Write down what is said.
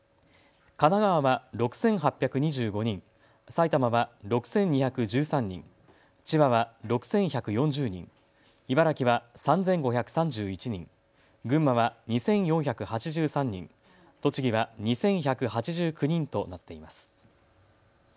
神奈川は６８２５人、埼玉は６２１３人、千葉は６１４０人、茨城は３５３１人、群馬は２４８３人、栃木は２１８９人となっています。